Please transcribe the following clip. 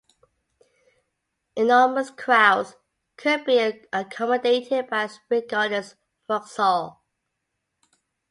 Enormous crowds could be accommodated at Spring Gardens, Vauxhall.